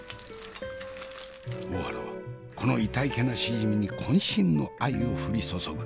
大原はこのいたいけなしじみにこん身の愛を降り注ぐ。